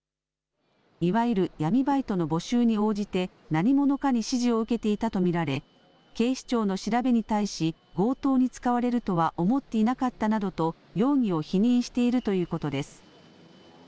いわゆる闇バイトの募集に応じて何者かに指示を受けていたと見られ警視庁の調べに対し強盗に使われるとは思っていなかったなどと容疑を否認しているということです。